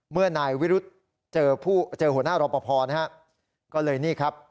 เมื่อนายวิรุธเจอหัวหน้ารอปภก็เลยนี่ครับ